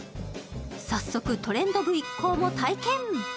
早速トレンド部一行も体験！